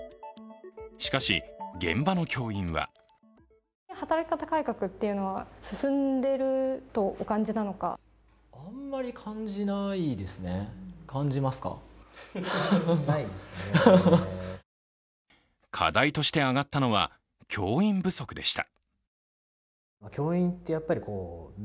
しかし、現場の教員は課題として挙がったのは教員不足でした。